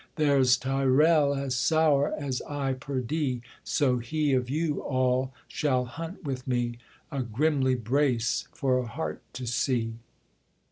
There's Tyrrel as sour as I, perdie, So he of you all shall hunt with me; A grimly brace for a hart to see.'